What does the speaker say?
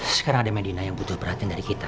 sekarang ada medina yang butuh perhatian dari kita